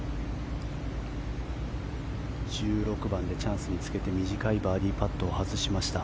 １６番でチャンスにつけて短いバーディーパットを外しました。